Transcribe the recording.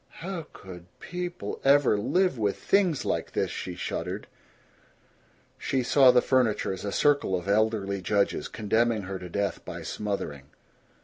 "How could people ever live with things like this?" she shuddered. She saw the furniture as a circle of elderly judges, condemning her to death by smothering.